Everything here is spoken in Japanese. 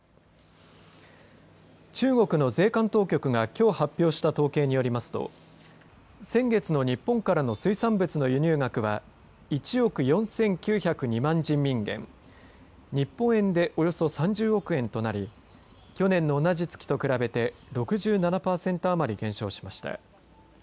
中国の税関当局がきょう発表した統計によりますと先月の日本からの水産物の輸入額は１億４９０２万人民元日本円で、およそ３０億円となり去年の同じ月と比べて６７パーセント余り減少しました。